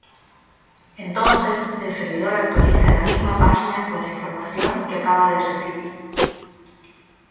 Entonces, el servidor actualiza la misma página con la información que acaba de recibir.